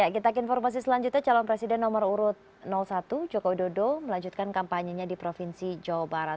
kita ke informasi selanjutnya calon presiden nomor urut satu jokowi dodo melanjutkan kampanyenya di provinsi jawa barat